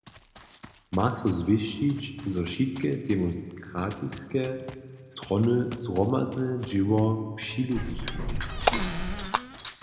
Ma so zwěsćić, zo wšitke demokratiske strony zhromadne dźěło přilubichu.